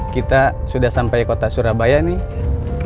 kita sudah sampai kota surabaya nih